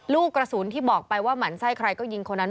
ลูกกระสุนที่บอกไปว่าหมั่นไส้ใครก็ยิงคนนั้น